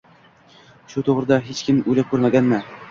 Shu to‘g‘rida hech kim o‘ylab ko‘rganmi